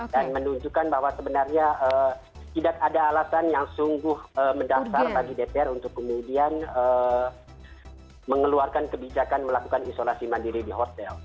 dan menunjukkan bahwa sebenarnya tidak ada alatan yang sungguh mendasar bagi dpr untuk kemudian mengeluarkan kebijakan melakukan isolasi mandiri di hotel